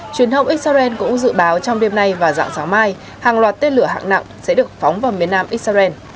truyền hông xrn cũng dự báo trong đêm nay vào dạng sáng mai hàng loạt tên lửa hạng nặng sẽ được phóng vào miền nam xrn